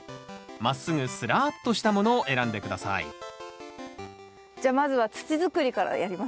まっすぐスラーッとしたものを選んで下さいじゃあまずは土づくりからやりますか？